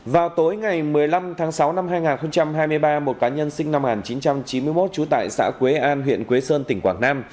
vào tối ngày một mươi năm tháng sáu năm hai nghìn hai mươi ba một cá nhân sinh năm một nghìn chín trăm chín mươi một trú tại xã quế an huyện quế sơn tỉnh quảng nam